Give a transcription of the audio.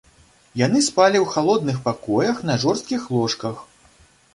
Яны спалі ў халодных пакоях на жорсткіх ложках.